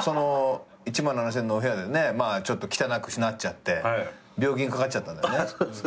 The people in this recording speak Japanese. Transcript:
その１７，０００円の部屋でちょっと汚くなっちゃって病気にかかっちゃったんだよね？